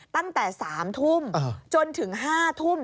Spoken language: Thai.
ตั้งแต่๓ทุ่มจนถึง๕ทุ่ม